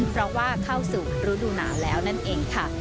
เพราะว่าเข้าสู่ฤดูหนาวแล้วนั่นเองค่ะ